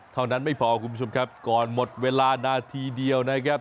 เท่านั้นไม่พอคุณผู้ชมครับก่อนหมดเวลานาทีเดียวนะครับ